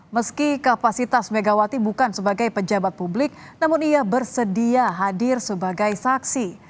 meski kapasitas megawati bukan sebagai pejabat publik namun ia bersedia hadir sebagai saksi